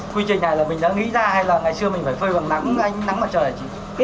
quy trình này là mình đã nghĩ ra hay là ngày xưa mình phải phơi bằng nắng nắng mặt trời hả chị